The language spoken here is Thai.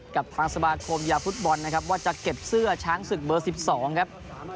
กับทางสมาคมกีฬาฟุตบอลนะครับว่าจะเก็บเสื้อช้างศึกเบอร์๑๒ครับ